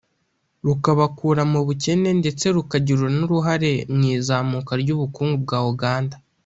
rukabakura mu bukene ndetse rukagira n’uruhare mu izamuka ry’ubukungu bwa Uganda